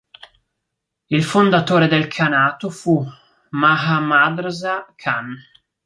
Il fondatore del khanato fu Mahammadrza khan.